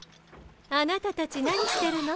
あなたたち何してるの？